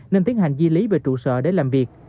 nên tiến hành di lý về trụ sở để làm việc